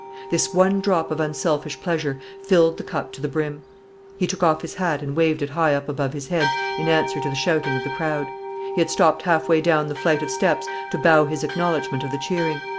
This one drop of unselfish pleasure filled the cup to the brim. He took off his hat and waved it high up above his head in answer to the shouting of the crowd. He had stopped halfway down the flight of steps to bow his acknowledgment of the cheering.